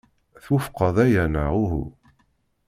Twufqeḍ aya neɣ uhu?